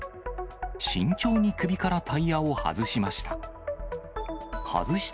慎重に首からタイヤを外しました。